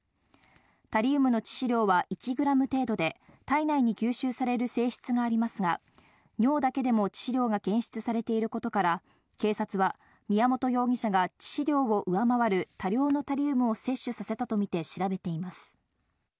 タリウムの致死量は１グラム程度で、体内に吸収される性質がありますが、尿だけでも致死量が検出されていることから、警察は宮本容疑者が致死量を上回る多量のタリウムを摂取させたとみて調べています。